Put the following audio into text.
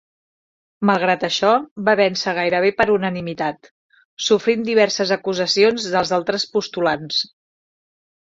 Malgrat això, va vèncer gairebé per unanimitat, sofrint diverses acusacions dels altres postulants.